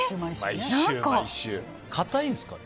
硬いんですか？